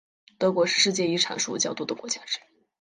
德国是世界遗产数较多的国家之一。